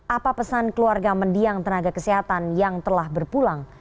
apa pesan keluarga mendiang tenaga kesehatan yang telah berpulang